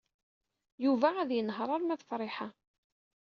Yuba ad yenheṛ arma d Friḥa.